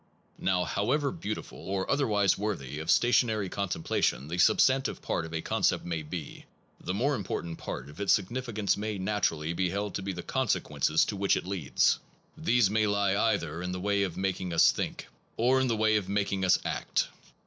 Now however beautiful or otherwise worthy of stationary contemplation the substantive part of a concept may be, the more important part of its significance may naturally be held to be the consequences to which it leads. These The prag ma ^^ e e ^ ner m tne wav f making matic rule us think, or in the way of making us act.